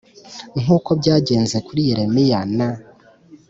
Nk uko byagenze kuri yeremiya na